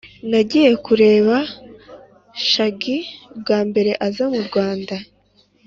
Nagiye kureba shagi bwa mbere aza mu Rwanda